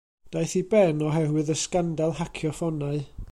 Daeth i ben oherwydd y sgandal hacio ffonau.